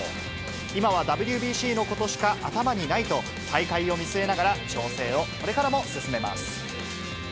今はＷＢＣのことしか頭にないと、大会を見据えながら、調整をこれからも進めます。